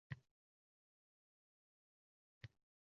jajji yetim Ismoil ko'z oldiga keldi.